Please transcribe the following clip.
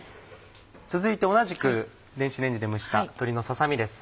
続いて同じく電子レンジで蒸した鶏のささ身です。